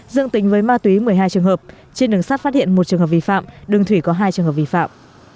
dương tính với ma túy một mươi hai trường hợp trên đường sát phát hiện một trường hợp vi phạm đường thủy có hai trường hợp vi phạm